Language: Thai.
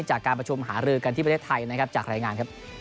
จากการประชุมหาเรื่องการที่ประเทศไทยจากรายงาน